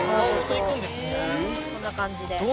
こんな感じで。